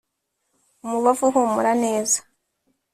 umubavu uhumura neza.